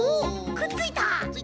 くっついた！